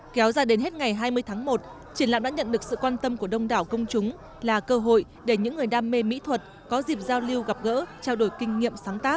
kéo ra đến hết ngày hai mươi tháng một triển lãm đã nhận được sự quan tâm của đông đảo công chúng là cơ hội để những người đam mê mỹ thuật có dịp giao lưu gặp gỡ trao đổi kinh nghiệm sáng tác